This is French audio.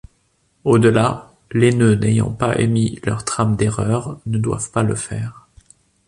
Au-delà les nœuds n'ayant pas émis leur trame d'erreur ne doivent pas le faire.